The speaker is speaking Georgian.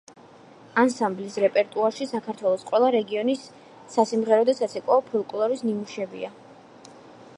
ანსამბლის რეპერტუარში საქართველოს ყველა რეგიონის სასიმღერო და საცეკვაო ფოლკლორის ნიმუშებია.